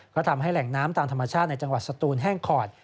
ก็ทำให้แหล่งน้ำตามธรรมชาติในจังหวัดสตูนแห้งขอด